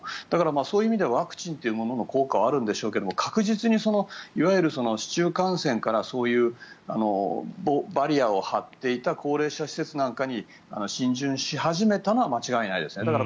だから、そういう意味ではワクチンというものの効果はあるんでしょうが確実にいわゆる市中感染からそういう、バリアーを張っていた高齢者施設なんかに浸潤し始めたのは間違いないですね。